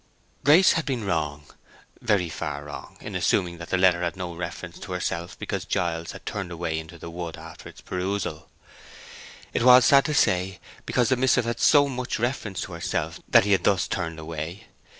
Grace had been wrong—very far wrong—in assuming that the letter had no reference to herself because Giles had turned away into the wood after its perusal. It was, sad to say, because the missive had so much reference to herself that he had thus turned away.